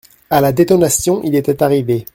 À la détonation, il était arrivé.